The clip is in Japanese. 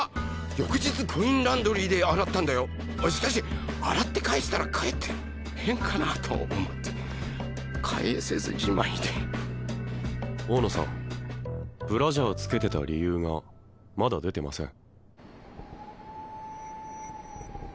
翌日コインランドリーで洗ったんだよしかし洗って返したらかえって変かなと思って返せずじまいで大野さんブラジャーつけてた理由がまだ出てません